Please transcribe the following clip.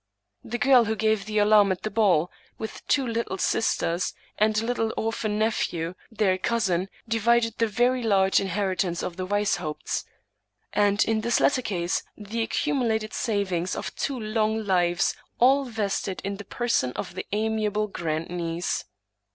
The girl who gave the alarm at the ball, with two little sisters, and a little orphan nephew, their cousin, divided the very large inher itance of the Weishaupts ; and in this latter case the accumu lated savings of two long lives all vested in the person of the amiable grandniece.